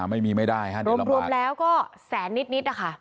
ไม่มีไม่ได้รวมแล้วก็แสนนิดค่ะ